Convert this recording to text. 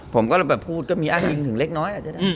ผมก็แบบพูดก็มีอ้างจริงถึงเล็กน้อย